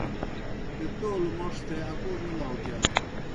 بے تولوْ موْݜ تھے اکو نہ لہُوکِیار۔